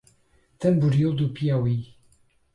Tamboril do Piauí